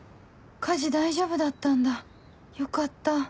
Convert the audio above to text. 火事大丈夫だったんだよかった